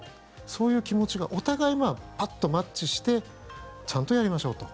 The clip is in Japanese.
そういう気持ちがお互い、パッとマッチしてちゃんとやりましょうと。